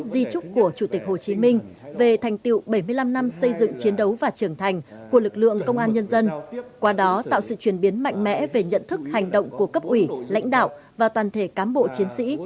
di trúc của chủ tịch hồ chí minh về thành tiệu bảy mươi năm năm xây dựng chiến đấu và trưởng thành của lực lượng công an nhân dân qua đó tạo sự chuyển biến mạnh mẽ về nhận thức hành động của cấp ủy lãnh đạo và toàn thể cán bộ chiến sĩ